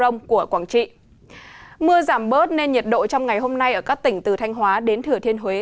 mưa giảm bớt nên nhiệt độ trong ngày hôm nay ở các tỉnh từ thanh hóa đến thừa thiên huế